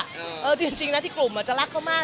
อ่ะจริงนี่อย่างนี้เนี่ยที่กลุ่มมาจะลักเขามาก